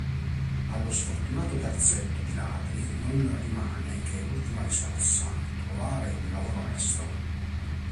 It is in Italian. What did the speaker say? Allo sfortunato terzetto di ladri non rimane che l'ultima risorsa: trovare un lavoro onesto.